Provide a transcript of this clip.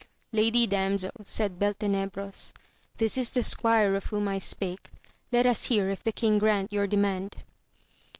Lady Damsel, said Bel tenebros, this is the squire of whom I spake, let us hear if the king grant your demand.